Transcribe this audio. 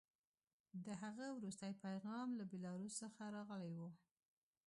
د هغه وروستی پیغام له بیلاروس څخه راغلی و